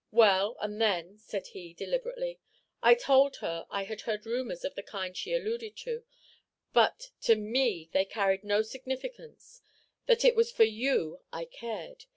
"Well, and then," said he, deliberately, "I told her I had heard rumors of the kind she alluded to, but to me they carried no significance; that it was for you I cared.